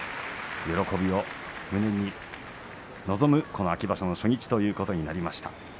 喜びを胸に臨む、この秋場所の初日ということになりました。